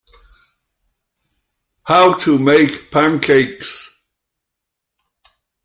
How to make pancakes.